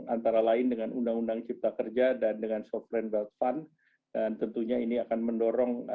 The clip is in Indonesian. antara lain dengan undang undang cipta kerja dan dengan sovereign wealth fund dan tentunya ini akan mendorong